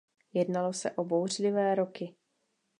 Jednalo se bouřlivé roky.